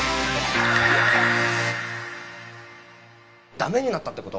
駄目になったって事？